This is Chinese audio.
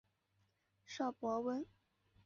邵伯温。